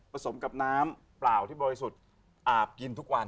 ผสมกับน้ำเปล่าที่บ่อยสุดอาบกินทุกวัน